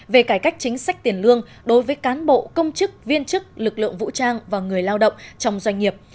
về cải cách chính sách tiền lương đối với cán bộ công chức viên chức lực lượng vũ trang và người lao động trong doanh nghiệp